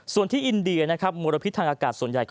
ส่วนที่อินเดียมรพิธังอากาศส่วนใหญ่